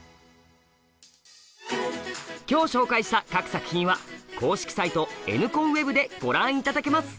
今日紹介した各作品は公式サイト「ＮコンＷＥＢ」でご覧頂けます。